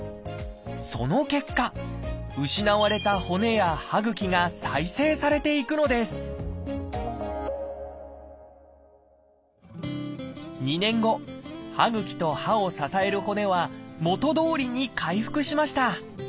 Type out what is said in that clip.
その結果失われた骨や歯ぐきが再生されていくのです２年後歯ぐきと歯を支える骨は元どおりに回復しました。